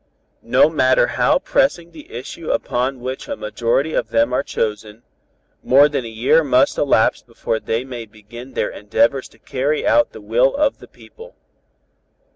No matter how pressing the issue upon which a majority of them are chosen, more than a year must elapse before they may begin their endeavors to carry out the will of the people.